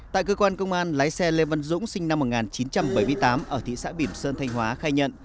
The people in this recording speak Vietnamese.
tại cơ quan công an lái xe lê văn dũng sinh năm một nghìn chín trăm bảy mươi tám ở thị xã bỉm sơn thanh hóa khai nhận